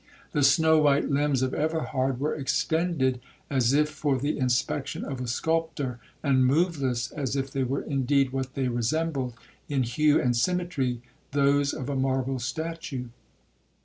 The snow white limbs of Everhard were extended as if for the inspection of a sculptor, and moveless, as if they were indeed what they resembled, in hue and symmetry, those of a marble statue.